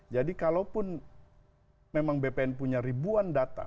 jadi kalaupun memang bpn punya ribuan data